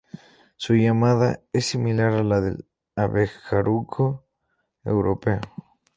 Su llamada es similar a la del abejaruco europeo.